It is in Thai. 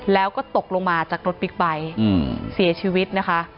แล้วก็ตกลงมาจากรถบิ๊กไบท์เสียชีวิตนะคะ